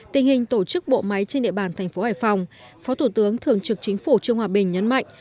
tình hình tổ chức bộ máy trên địa bàn thành phố hải phòng phó thủ tướng thường trực chính phủ trương hòa bình nhấn mạnh